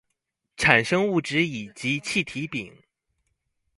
產生物質乙及氣體丙